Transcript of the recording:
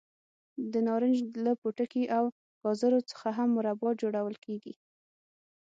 د نارنج له پوټکي او ګازرو څخه هم مربا جوړول کېږي.